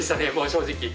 正直。